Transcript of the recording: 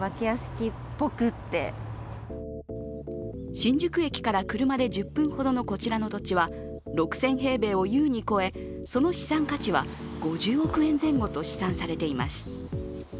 新宿駅から車で１０分ほどのこちらの土地は６０００平米を優に超えその資産価値は５０億円前後と試算されています。